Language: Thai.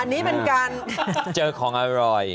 อันนี้เป็นการเจอของอร่อย